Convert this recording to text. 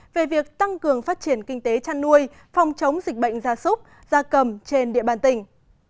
về việc tăng cường phát triển kinh tế chăn nuôi phòng chống dịch bệnh gia súc gia cầm trên địa bàn tỉnh